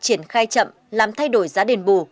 triển khai chậm làm thay đổi giá đền bù